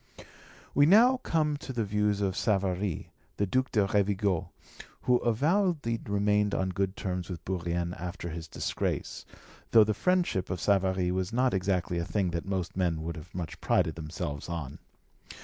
We now come to the views of Savary, the Duc de Rovigo, who avowedly remained on good terms with Bourrienne after his disgrace, though the friendship of Savary was not exactly a thing that most men would have much prided themselves on.